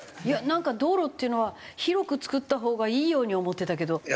いやなんか道路っていうのは広く造った方がいいように思ってたけど。